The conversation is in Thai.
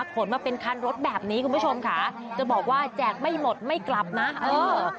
ขนมาเป็นคันรถแบบนี้คุณผู้ชมค่ะจะบอกว่าแจกไม่หมดไม่กลับนะเออ